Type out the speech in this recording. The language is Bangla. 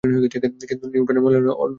কিন্তু নিউটনের মনে এলো অন্য ভাবনা।